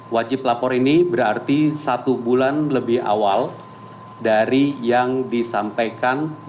wajib lapor ini berarti satu bulan lebih awal dari yang disampaikan